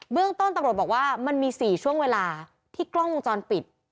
เรื่องต้นตำรวจบอกว่ามันมี๔ช่วงเวลาที่กล้องวงจรปิด